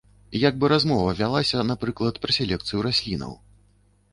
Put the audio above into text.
Як бы размова вялася, напрыклад, пра селекцыю раслінаў.